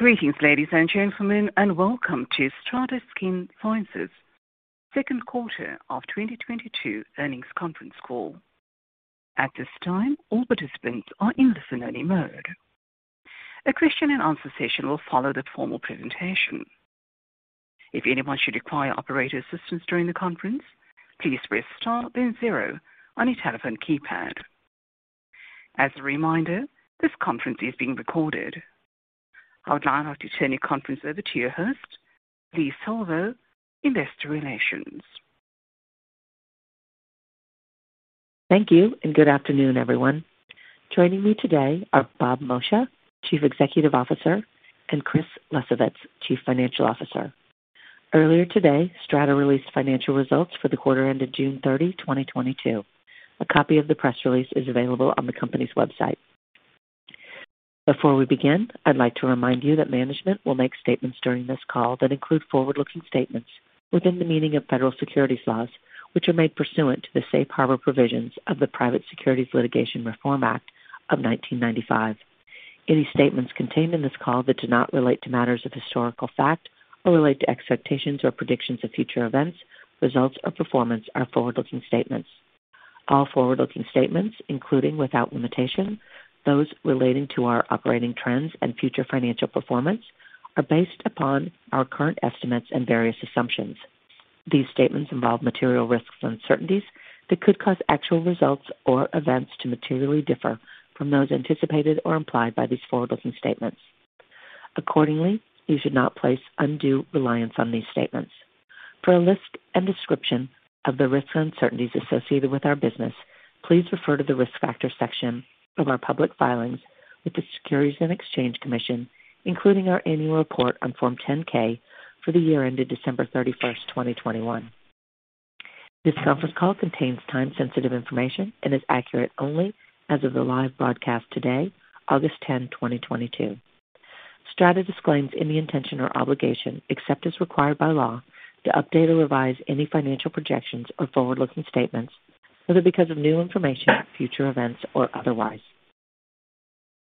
Greetings, ladies and gentlemen, and welcome to STRATA Skin Sciences Q2 of 2022 earnings conference call. At this time, all participants are in listen-only mode. A question and answer session will follow the formal presentation. If anyone should require operator assistance during the conference, please press star then zero on your telephone keypad. As a reminder, this conference is being recorded. I would now like to turn the conference over to your host, Leigh Salvo, Investor Relations. Thank you and good afternoon, everyone. Joining me today are Bob Moccia, Chief Executive Officer, and Chris Lesovitz, Chief Financial Officer. Earlier today, STRATA released financial results for the quarter ended June 30, 2022. A copy of the press release is available on the company's website. Before we begin, I'd like to remind you that management will make statements during this call that include forward-looking statements within the meaning of federal securities laws, which are made pursuant to the Safe Harbor provisions of the Private Securities Litigation Reform Act of 1995. Any statements contained in this call that do not relate to matters of historical fact or relate to expectations or predictions of future events, results or performance are forward-looking statements. All forward-looking statements, including without limitation those relating to our operating trends and future financial performance, are based upon our current estimates and various assumptions. These statements involve material risks and uncertainties that could cause actual results or events to materially differ from those anticipated or implied by these forward-looking statements. Accordingly, you should not place undue reliance on these statements. For a list and description of the risks and uncertainties associated with our business, please refer to the Risk Factors section of our public filings with the Securities and Exchange Commission, including our annual report on Form 10-K for the year ended December 31st, 2021. This conference call contains time-sensitive information and is accurate only as of the live broadcast today, August 10th, 2022. STRATA disclaims any intention or obligation, except as required by law, to update or revise any financial projections or forward-looking statements, whether because of new information, future events, or otherwise.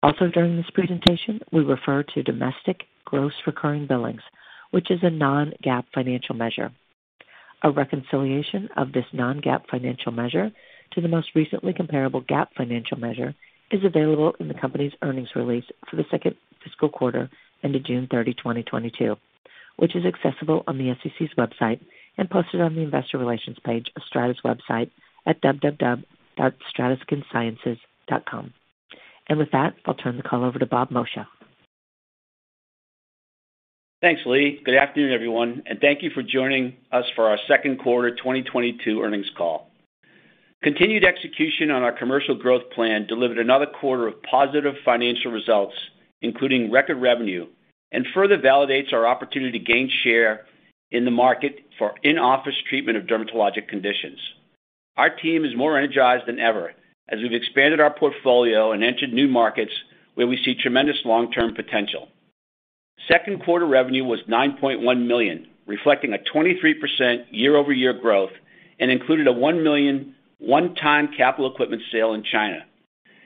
Also, during this presentation, we refer to domestic gross recurring billings, which is a non-GAAP financial measure. A reconciliation of this non-GAAP financial measure to the most recently comparable GAAP financial measure is available in the company's earnings release for the second fiscal quarter ended June 30th, 2022, which is accessible on the SEC's website and posted on the Investor Relations page of STRATA's website at www.strataskinsciences.com. With that, I'll turn the call over to Bob Moccia. Thanks, Leigh. Good afternoon, everyone, and thank you for joining us for our Q2 2022 earnings call. Continued execution on our commercial growth plan delivered another quarter of positive financial results, including record revenue, and further validates our opportunity to gain share in the market for in-office treatment of dermatologic conditions. Our team is more energized than ever as we've expanded our portfolio and entered new markets where we see tremendous long-term potential. Q2 revenue was $9.1 million, reflecting a 23% year-over-year growth and included a $1 million one-time capital equipment sale in China.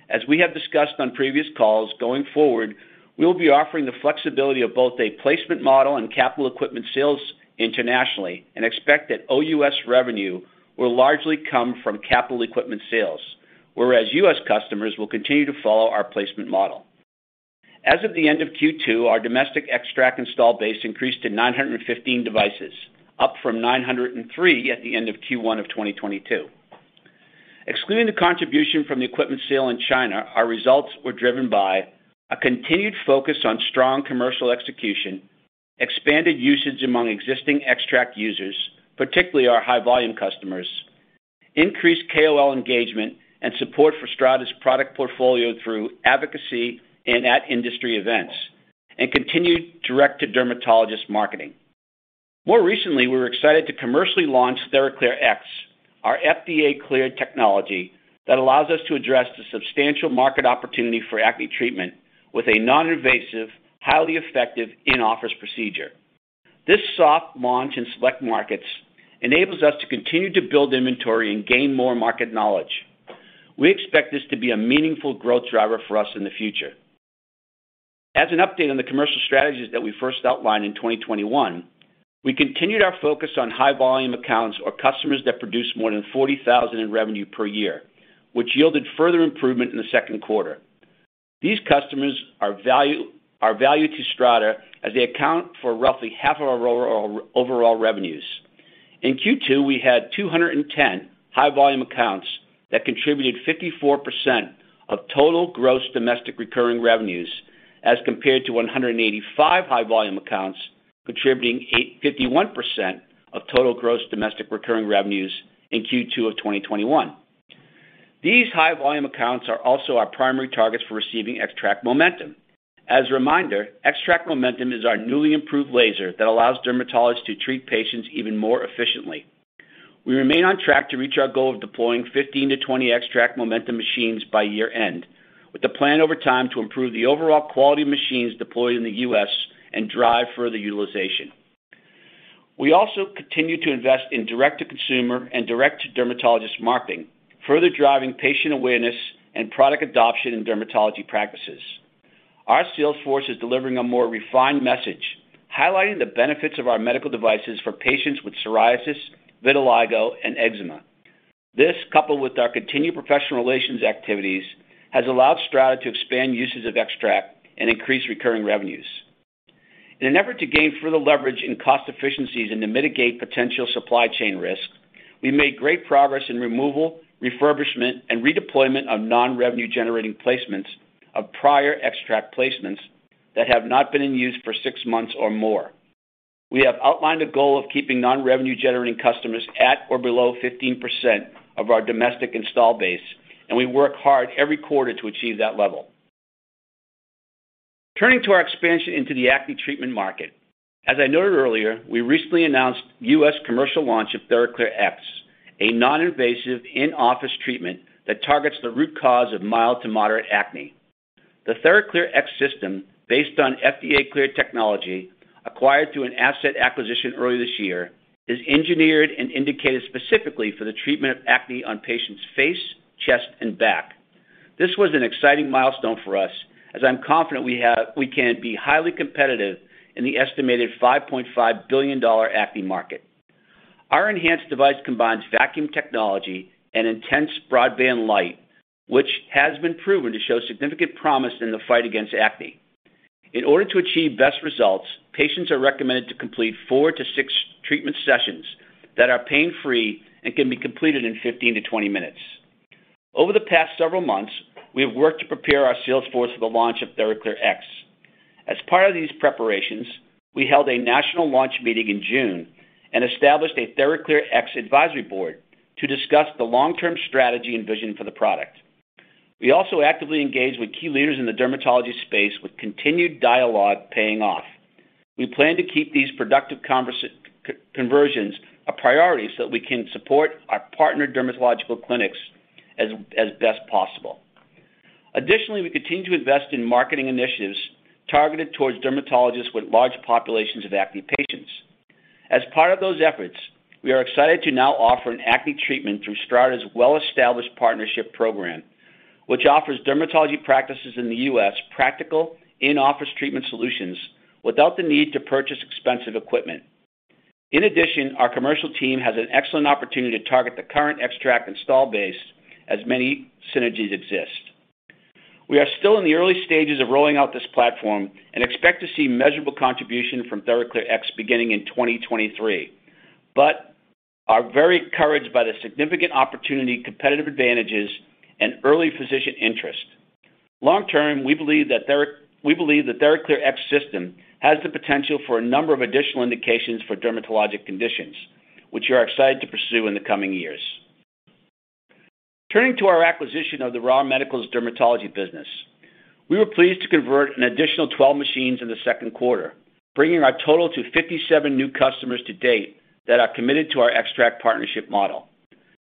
As we have discussed on previous calls, going forward, we will be offering the flexibility of both a placement model and capital equipment sales internationally and expect that OUS revenue will largely come from capital equipment sales, whereas U.S. customers will continue to follow our placement model. As of the end of Q2, our domestic XTRAC install base increased to 915 devices, up from 903 at the end of Q1 of 2022. Excluding the contribution from the equipment sale in China, our results were driven by a continued focus on strong commercial execution, expanded usage among existing XTRAC users, particularly our high-volume customers, increased KOL engagement and support for STRATA's product portfolio through advocacy and at industry events, and continued direct-to-dermatologist marketing. More recently, we were excited to commercially launch TheraClearX, our FDA-cleared technology that allows us to address the substantial market opportunity for acne treatment with a non-invasive, highly effective in-office procedure. This soft launch in select markets enables us to continue to build inventory and gain more market knowledge. We expect this to be a meaningful growth driver for us in the future. As an update on the commercial strategies that we first outlined in 2021, we continued our focus on high-volume accounts or customers that produce more than $40,000 in revenue per year, which yielded further improvement in Q2. These customers are of value to STRATA as they account for roughly half of our overall revenues. In Q2, we had 210 high-volume accounts that contributed 54% of total gross domestic recurring revenues as compared to 185 high-volume accounts contributing 81% of total gross domestic recurring revenues in Q2 of 2021. These high-volume accounts are also our primary targets for receiving XTRAC Momentum. As a reminder, XTRAC Momentum is our newly improved laser that allows dermatologists to treat patients even more efficiently. We remain on track to reach our goal of deploying 15-20 XTRAC Momentum machines by year-end with the plan over time to improve the overall quality of machines deployed in the U.S. and drive further utilization. We also continue to invest in direct-to-consumer and direct-to-dermatologist marketing, further driving patient awareness and product adoption in dermatology practices. Our sales force is delivering a more refined message, highlighting the benefits of our medical devices for patients with psoriasis, vitiligo, and eczema. This, coupled with our continued professional relations activities, has allowed STRATA to expand uses of XTRAC and increase recurring revenues. In an effort to gain further leverage in cost efficiencies and to mitigate potential supply chain risk, we made great progress in removal, refurbishment, and redeployment of non-revenue generating placements of prior XTRAC placements that have not been in use for six months or more. We have outlined a goal of keeping non-revenue generating customers at or below 15% of our domestic installed base, and we work hard every quarter to achieve that level. Turning to our expansion into the acne treatment market. As I noted earlier, we recently announced U.S. commercial launch of TheraClearX, a non-invasive in-office treatment that targets the root cause of mild to moderate acne. The TheraClearX system, based on FDA-cleared technology acquired through an asset acquisition early this year, is engineered and indicated specifically for the treatment of acne on patients' face, chest, and back. This was an exciting milestone for us as I'm confident we can be highly competitive in the estimated $5.5 billion acne market. Our enhanced device combines vacuum technology and intense broadband light, which has been proven to show significant promise in the fight against acne. In order to achieve best results, patients are recommended to complete 4-6 treatment sessions that are pain-free and can be completed in 15-20 minutes. Over the past several months, we have worked to prepare our sales force for the launch of TheraClearX. As part of these preparations, we held a national launch meeting in June and established a TheraClearX advisory board to discuss the long-term strategy and vision for the product. We also actively engaged with key leaders in the dermatology space with continued dialogue paying off. We plan to keep these productive conversations a priority so we can support our partner dermatological clinics as best possible. Additionally, we continue to invest in marketing initiatives targeted toward dermatologists with large populations of acne patients. As part of those efforts, we are excited to now offer an acne treatment through STRATA's well-established partnership program, which offers dermatology practices in the U.S. practical in-office treatment solutions without the need to purchase expensive equipment. In addition, our commercial team has an excellent opportunity to target the current XTRAC install base as many synergies exist. We are still in the early stages of rolling out this platform and expect to see measurable contribution from TheraClearX beginning in 2023, but are very encouraged by the significant opportunity, competitive advantages, and early physician interest. Long-term, we believe that TheraClearX system has the potential for a number of additional indications for dermatologic conditions, which we are excited to pursue in the coming years. Turning to our acquisition of the Ra Medical's dermatology business. We were pleased to convert an additional 12 machines in Q2, bringing our total to 57 new customers to date that are committed to our XTRAC partnership model.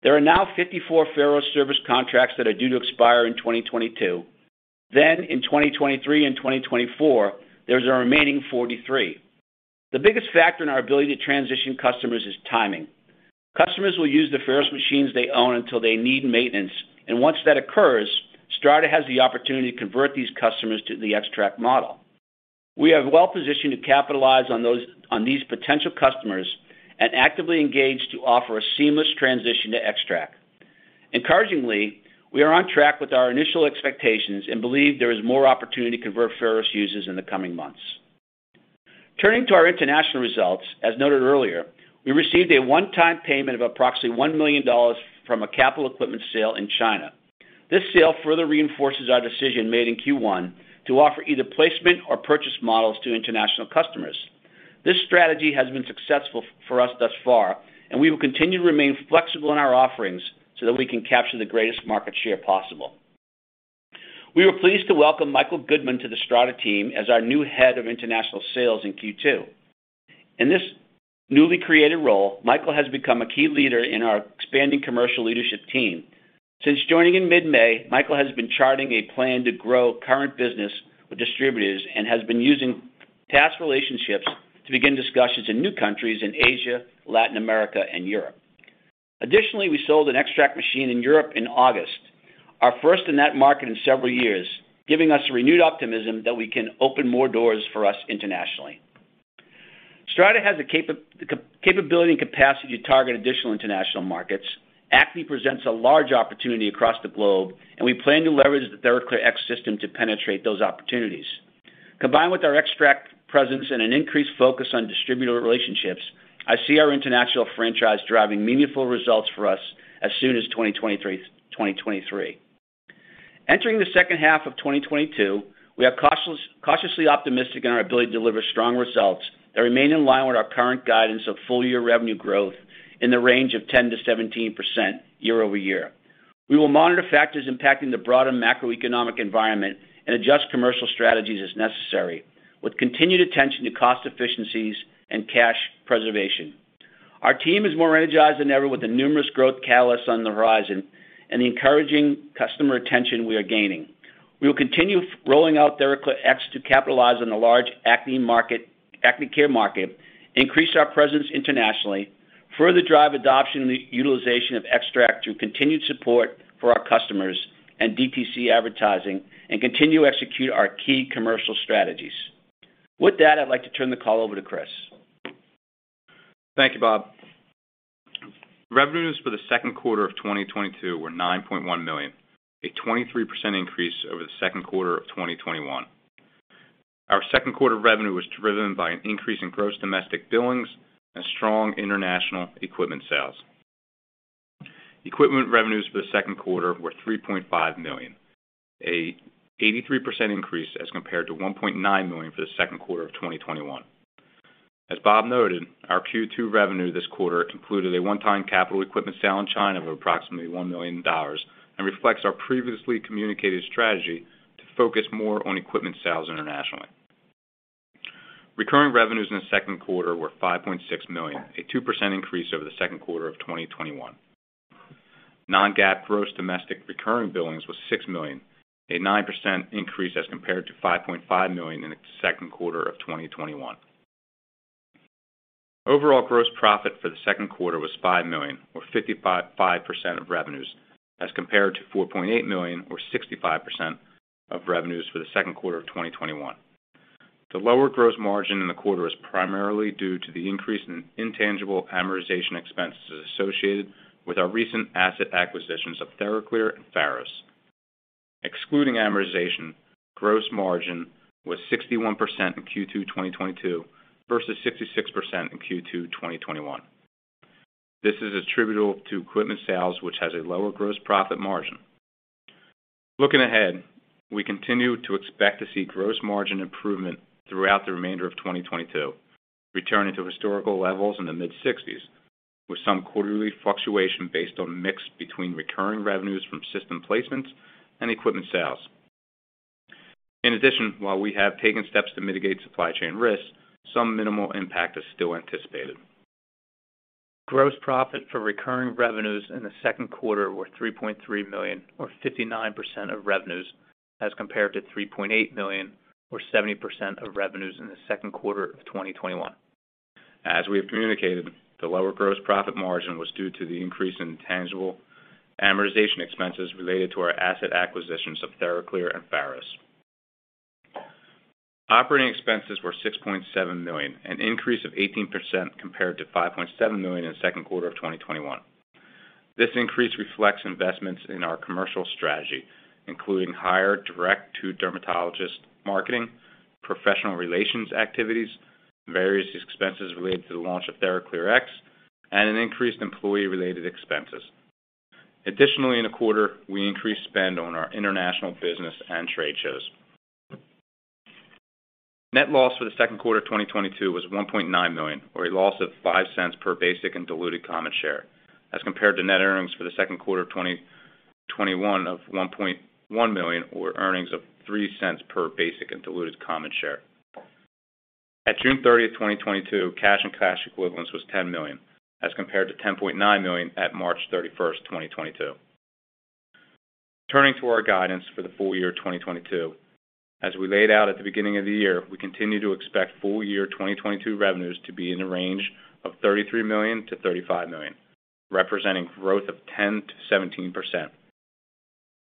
There are now 54 Pharos service contracts that are due to expire in 2022. In 2023 and 2024, there's our remaining 43. The biggest factor in our ability to transition customers is timing. Customers will use the Pharos machines they own until they need maintenance. Once that occurs, STRATA has the opportunity to convert these customers to the XTRAC model. We are well-positioned to capitalize on those, on these potential customers and actively engage to offer a seamless transition to XTRAC. Encouragingly, we are on track with our initial expectations and believe there is more opportunity to convert Pharos users in the coming months. Turning to our international results, as noted earlier, we received a one-time payment of approximately $1 million from a capital equipment sale in China. This sale further reinforces our decision made in Q1 to offer either placement or purchase models to international customers. This strategy has been successful for us thus far, and we will continue to remain flexible in our offerings so that we can capture the greatest market share possible. We were pleased to welcome Michael Goodman to the STRATA team as our new head of international sales in Q2. In this newly created role, Michael has become a key leader in our expanding commercial leadership team. Since joining in mid-May, Michael has been charting a plan to grow current business with distributors and has been using past relationships to begin discussions in new countries in Asia, Latin America, and Europe. Additionally, we sold an XTRAC machine in Europe in August, our first in that market in several years, giving us renewed optimism that we can open more doors for us internationally. STRATA has the capability and capacity to target additional international markets. Acne presents a large opportunity across the globe, and we plan to leverage the TheraClearX system to penetrate those opportunities. Combined with our XTRAC presence and an increased focus on distributor relationships, I see our international franchise driving meaningful results for us as soon as 2023. Entering the second half of 2022, we are cautiously optimistic in our ability to deliver strong results that remain in line with our current guidance of full-year revenue growth in the range of 10%-17% year-over-year. We will monitor factors impacting the broader macroeconomic environment and adjust commercial strategies as necessary with continued attention to cost efficiencies and cash preservation. Our team is more energized than ever with the numerous growth catalysts on the horizon and the encouraging customer attention we are gaining. We will continue rolling out TheraClearX to capitalize on the large acne market, acne care market, increase our presence internationally, further drive adoption and the utilization of XTRAC through continued support for our customers and DTC advertising, and continue to execute our key commercial strategies. With that, I'd like to turn the call over to Chris. Thank you, Bob. Revenues for Q2 of 2022 were $9.1 million, a 23% increase over Q2 of 2021. Our Q2 revenue was driven by an increase in gross domestic billings and strong international equipment sales. Equipment revenues for Q2 were $3.5 million, an 83% increase as compared to $1.9 million for Q2 of 2021. As Bob noted, our Q2 revenue this quarter included a one-time capital equipment sale in China of approximately $1 million and reflects our previously communicated strategy to focus more on equipment sales internationally. Recurring revenues in Q2 were $5.6 million, a 2% increase over Q2 of 2021. Non-GAAP gross domestic recurring billings was $6 million, a 9% increase as compared to $5.5 million in Q2 of 2021. Overall gross profit for Q2 was $5 million or 55% of revenues as compared to $4.8 million or 65% of revenues for Q2 of 2021. The lower gross margin in the quarter is primarily due to the increase in intangible amortization expenses associated with our recent asset acquisitions of TheraClearX and Pharos. Excluding amortization, gross margin was 61% in Q2 2022 versus 66% in Q2 2021. This is attributable to equipment sales, which has a lower gross profit margin. Looking ahead, we continue to expect to see gross margin improvement throughout the remainder of 2022, returning to historical levels in the mid-60s, with some quarterly fluctuation based on mix between recurring revenues from system placements and equipment sales. In addition, while we have taken steps to mitigate supply chain risks, some minimal impact is still anticipated. Gross profit for recurring revenues in Q2 were $3.3 million or 59% of revenues as compared to $3.8 million or 70% of revenues in Q2 of 2021. As we have communicated, the lower gross profit margin was due to the increase in intangible amortization expenses related to our asset acquisitions of TheraClearX and Pharos. Operating expenses were $6.7 million, an increase of 18% compared to $5.7 million in Q2 of 2021. This increase reflects investments in our commercial strategy, including higher direct-to-dermatologist marketing, professional relations activities, various expenses related to the launch of TheraClearX, and an increased employee-related expenses. Additionally, in the quarter, we increased spend on our international business and trade shows. Net loss for Q2 of 2022 was $1.9 million or a loss of $0.05 per basic and diluted common share, as compared to net earnings for Q2 of 2021 of $1.1 million or earnings of $0.03 per basic and diluted common share. At June 30th, 2022, cash and cash equivalents was $10 million, as compared to $10.9 million at March 31st, 2022. Turning to our guidance for the full year 2022. As we laid out at the beginning of the year, we continue to expect full year 2022 revenues to be in the range of $33 million-$35 million, representing growth of 10%-17%.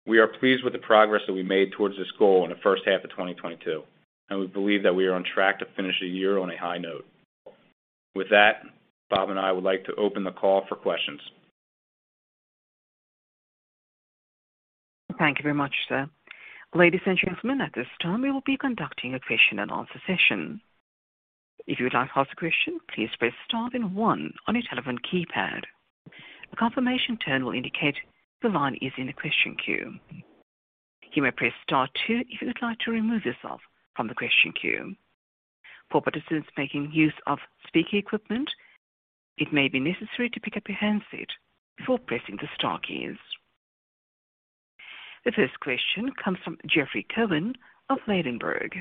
We are pleased with the progress that we made towards this goal in the first half of 2022, and we believe that we are on track to finish the year on a high note. With that, Bob and I would like to open the call for questions. Thank you very much, sir. Ladies and gentlemen, at this time, we will be conducting a question and answer session. If you would like to ask a question, please press star then one on your telephone keypad. A confirmation tone will indicate the line is in the question queue. You may press star two if you would like to remove yourself from the question queue. For participants making use of speaker equipment, it may be necessary to pick up your handset before pressing the star keys. The first question comes from Jeffrey Cohen of Ladenburg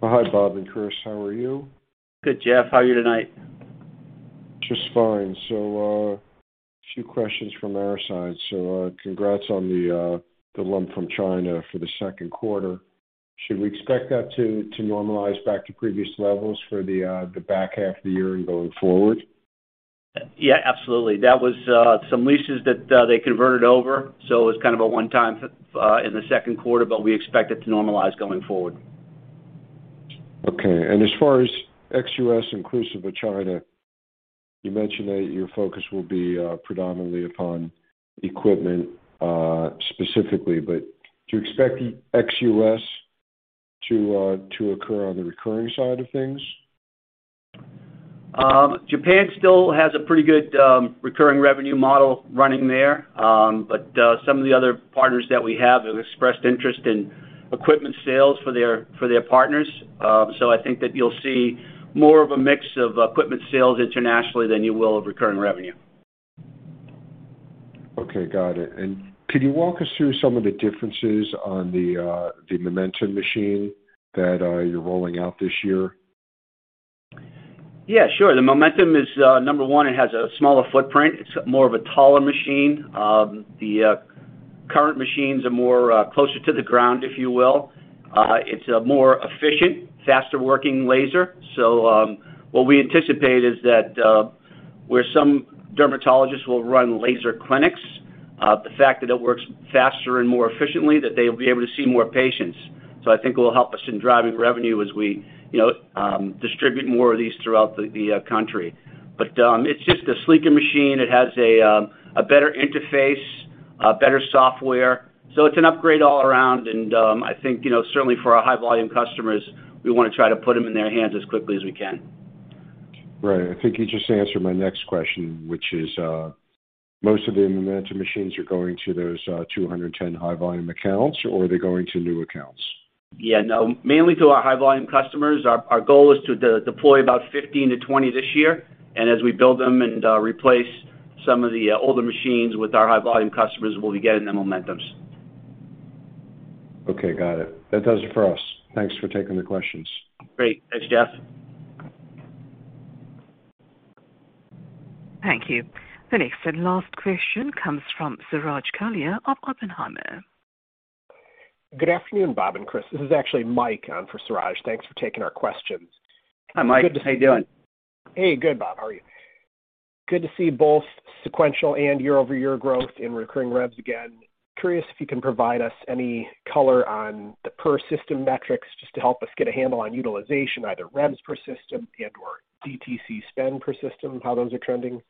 Thalmann. Hi, Bob and Chris. How are you? Good, Jeff. How are you tonight? Just fine. A few questions from our side. Congrats on the lump from China for Q2. Should we expect that to normalize back to previous levels for the back half of the year and going forward? Yes, absolutely. That was some leases that they converted over. It was a one-time in Q2, but we expect it to normalize going forward. Okay. As far as ex-US inclusive of China, you mentioned that your focus will be predominantly upon equipment specifically. Do you expect ex-US to occur on the recurring side of things? Japan still has a pretty good recurring revenue model running there. Some of the other partners that we have expressed interest in equipment sales for their partners. I think that you'll see more of a mix of equipment sales internationally than you will of recurring revenue. Okay, got it. Could you walk us through some of the differences on the Momentum machine that you're rolling out this year? Yes, sure. The Momentum is number one, it has a smaller footprint. It's more of a taller machine. The current machines are more closer to the ground, if you will. It's a more efficient, faster working laser. What we anticipate is that where some dermatologists will run laser clinics, the fact that it works faster and more efficiently, that they'll be able to see more patients. I think it will help us in driving revenue as we distribute more of these throughout the country. It's just a sleeker machine. It has a better interface, better software. It's an upgrade all around. I think, certainly for our high-volume customers, we want to try to put them in their hands as quickly as we can. Right. I think you just answered my next question, which is, most of the Momentum machines are going to those 210 high-volume accounts, or are they going to new accounts? Yes. Mainly to our high-volume customers. Our goal is to deploy about 15-20 this year, and as we build them and replace some of the older machines for our high-volume customers, we'll be getting the Momentums. Okay, got it. That does it for us. Thanks for taking the questions. Great. Thanks, Jeff. Thank you. The next and last question comes from Suraj Kalia of Oppenheimer. Good afternoon, Bob and Chris. This is actually Mike on for Suraj. Thanks for taking our questions. Hi, Mike. How you doing? Hey, good, Bob. How are you? Good to see both sequential and year-over-year growth in recurring revs again. Curious if you can provide us any color on the per system metrics just to help us get a handle on utilization, either revs per system and/or DTC spend per system, how those are trending.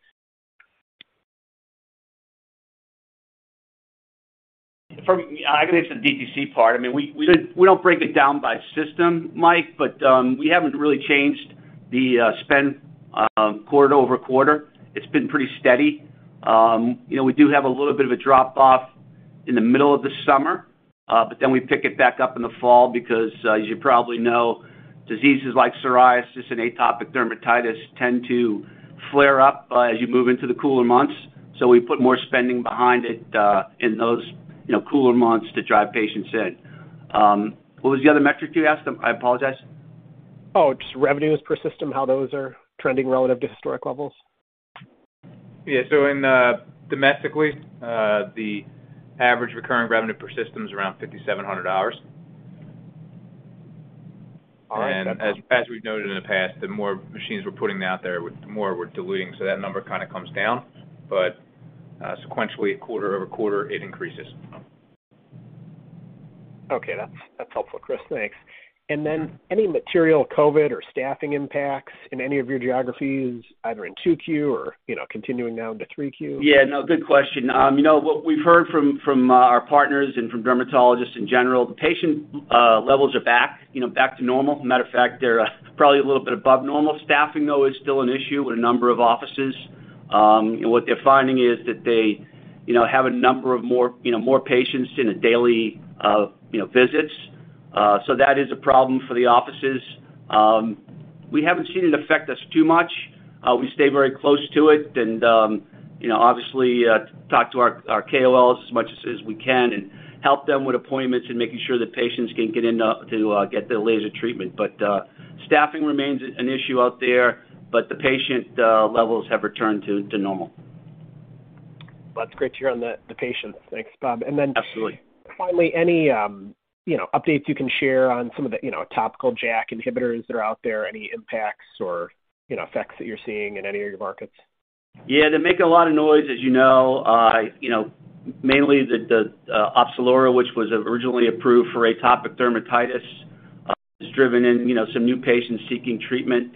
I can answer the DTC part. We don't break it down by system, Mike, but we haven't really changed the spend quarter-over-quarter. It's been pretty steady. We do have a little bit of a drop off in the middle of the summer, but then we pick it back up in the fall because as you probably know, diseases like psoriasis and atopic dermatitis tend to flare up as you move into the cooler months. We put more spending behind it in those cooler months to drive patients in. What was the other metric you asked? I apologize. Just revenues per system, how those are trending relative to historic levels. Yes. In domestically, the average recurring revenue per system is around $5,700. All right. That's helpful. As we've noted in the past, the more machines we're putting out there, the more we're diluting. That number comes down. Sequentially, quarter-over-quarter, it increases. Okay. That's helpful, Chris. Thanks. Then any material COVID or staffing impacts in any of your geographies either in Q2 or, continuing now into Q3? Yes. Good question. What we've heard from our partners and from dermatologists in general, the patient levels are back to normal. Matter of fact, they're probably a little bit above normal. Staffing, though, is still an issue with a number of offices. What they're finding is that they have a number of more patients in a daily visits. That is a problem for the offices. We haven't seen it affect us too much. We stay very close to it and obviously, talk to our KOLs as much as we can and help them with appointments and making sure that patients can get in to get their laser treatment. Staffing remains an issue out there, but the patient levels have returned to normal. That's great to hear on the patients. Thanks, Bob. Absolutely. Finally, any updates you can share on some of the topical JAK inhibitors that are out there, any impacts or effects that you're seeing in any of your markets? Yes. They're making a lot of noise as you know. Mainly the Opzelura, which was originally approved for atopic dermatitis, has driven in some new patients seeking treatment.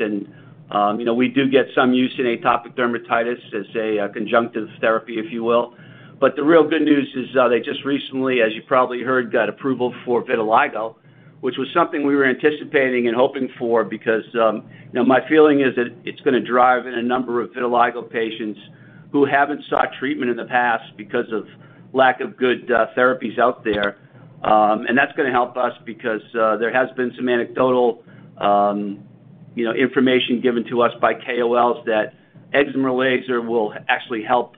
We do get some use in atopic dermatitis as a conjunctive therapy, if you will, but the real good news is, they just recently, as you probably heard, got approval for vitiligo, which was something we were anticipating and hoping for because my feeling is that it's going to drive in a number of vitiligo patients who haven't sought treatment in the past because of lack of good therapies out there. That's going to help us because there has been some anecdotal information given to us by KOLs that excimer laser will actually help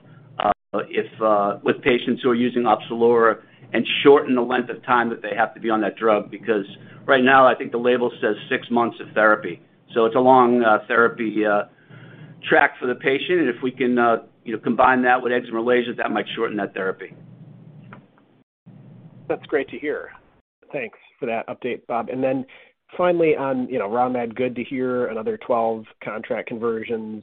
with patients who are using Opzelura and shorten the length of time that they have to be on that drug because, right now, I think the label says six months of therapy. It's a long therapy track for the patient. If we can combine that with excimer laser, that might shorten that therapy. That's great to hear. Thanks for that update, Bob. Finally on Ra Medical, good to hear another 12 contract conversions.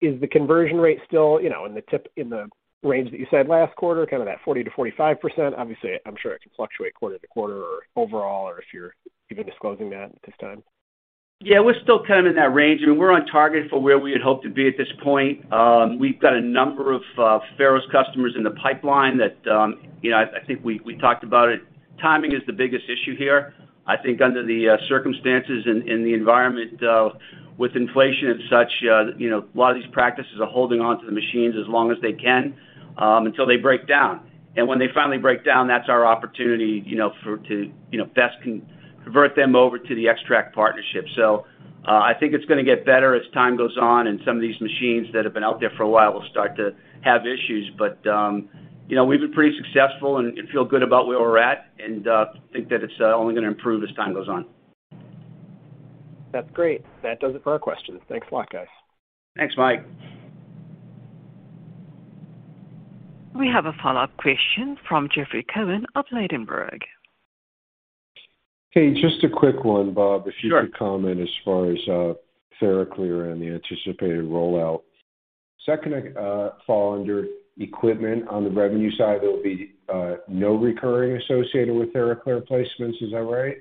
Is the conversion rate still in the range that you said last quarter, that 40%-45%? Obviously, I'm sure it can fluctuate quarter to quarter or overall or if you're even disclosing that at this time. Yes. We're still in that range. We're on target for where we had hoped to be at this point. We've got a number of Pharos customers in the pipeline that I think we talked about it. Timing is the biggest issue here. I think under the circumstances in the environment with inflation and such, a lot of these practices are holding onto the machines as long as they can until they break down. When they finally break down, that's our opportunity to best convert them over to the XTRAC partnership. I think it's going to get better as time goes on, and some of these machines that have been out there for a while will start to have issues. We've been pretty successful and feel good about where we're at, and think that it's only going to improve as time goes on. That's great. That does it for our questions. Thanks a lot, guys. Thanks, Mike. We have a follow-up question from Jeffrey Cohen of Ladenburg Thalmann. Hey, just a quick one, Bob. Sure. If you could comment as far as TheraClearX and the anticipated rollout. Second, fall under equipment on the revenue side, there'll be no recurring associated with TheraClearX placements, is that right?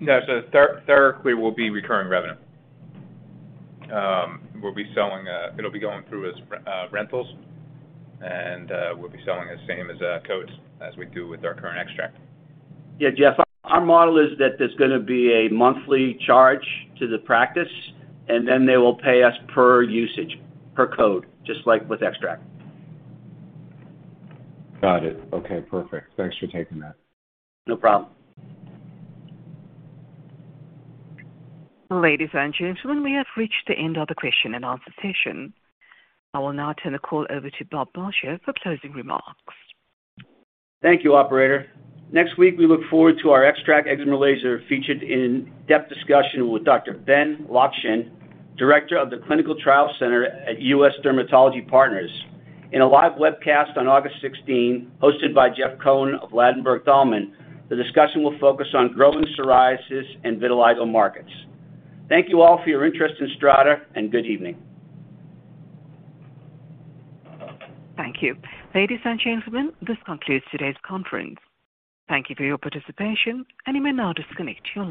No. TheraClearX will be recurring revenue. It'll be going through as rentals, and we'll be selling the same codes as we do with our current XTRAC. Jeff, our model is that there's going to be a monthly charge to the practice, and then they will pay us per usage, per code, just like with XTRAC. Got it. Okay, perfect. Thanks for taking that. No problem. Ladies and gentlemen, we have reached the end of the question-and-answer session. I will now turn the call over to Bob Moccia for closing remarks. Thank you, operator. Next week, we look forward to our XTRAC excimer laser featured in-depth discussion with Dr. Benjamin Lockshin, Director of the Clinical Trial Center at U.S. Dermatology Partners. In a live webcast on August 16th, hosted by Jeff Cohen of Ladenburg Thalmann, the discussion will focus on growing psoriasis and vitiligo markets. Thank you all for your interest in STRATA, and good evening. Thank you. Ladies and gentlemen, this concludes today's conference. Thank you for your participation, and you may now disconnect your lines.